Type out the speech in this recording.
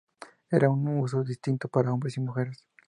Era de uso indistinto para hombres y mujeres.